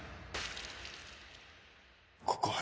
ここはな